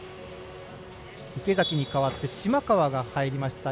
池崎に代わって島川が入りました。